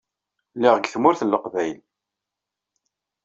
Lliɣ deg Tmurt n Leqbayel.